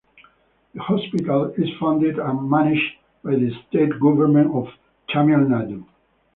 The hospital is funded and managed by the state government of Tamil Nadu.